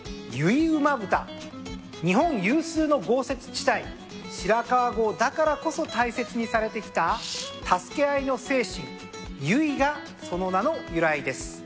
日本有数の豪雪地帯白川郷だからこそ大切にされてきた助け合いの精神「結」がその名の由来です。